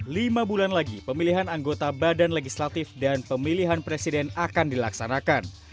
lima bulan lagi pemilihan anggota badan legislatif dan pemilihan presiden akan dilaksanakan